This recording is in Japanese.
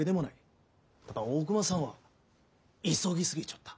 ただ大隈さんは急ぎ過ぎちょった。